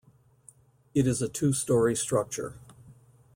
It is a two storey-structure.